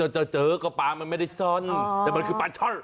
จะเจอก็ปลามันไม่ได้ซ่อนแต่มันคือปลาช่อน